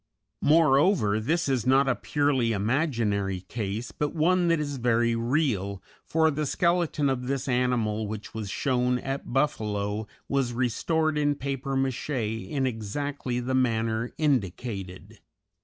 Moreover, this is not a purely imaginary case, but one that is very real, for the skeleton of this animal which was shown at Buffalo was restored in papier maché in exactly the manner indicated.